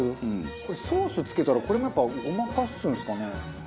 ソース付けたらこれもやっぱごまかすんですかね？